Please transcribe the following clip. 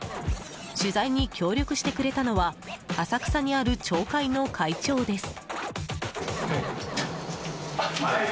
取材に協力してくれたのは浅草にある町会の会長です。